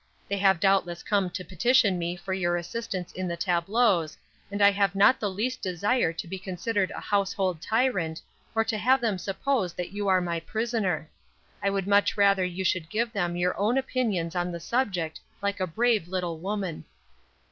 They have doubtless come to petition me for your assistance in the tableaux, and I have not the least desire to be considered a household tyrant, or to have them suppose that you are my prisoner. I would much rather that you should give them your own opinions on the subject like a brave little woman."